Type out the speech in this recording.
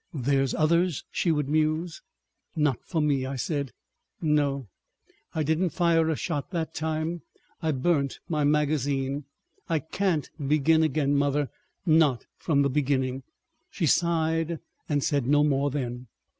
"There's others," she would muse. "Not for me," I said. "No! I didn't fire a shot that time; I burnt my magazine. I can't begin again, mother, not from the beginning." She sighed and said no more then.